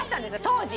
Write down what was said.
当時。